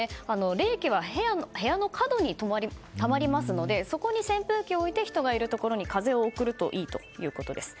冷気は部屋の角にたまりますのでそこに扇風機を置いて人がいるところに風を送るといいということです。